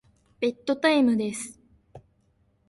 ベッドタイムです。